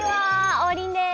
王林です。